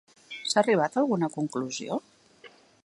S'ha arribat a alguna conclusió?